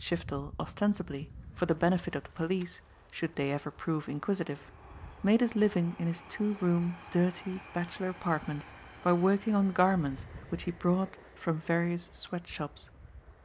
Shiftel ostensibly, for the benefit of the police should they ever prove inquisitive, made his living in his two room, dirty, bachelor apartment, by working on gar ments which he brought from various sweat shops.